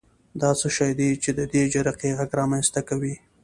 دا څه شی دی چې د دې جرقې غږ رامنځته کوي؟